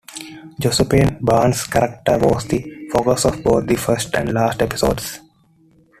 Josephine Byrnes' character was the focus of both the first and last episodes.